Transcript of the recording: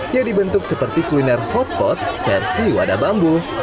yang dibentuk seperti kuliner hotpot versi wadah bambu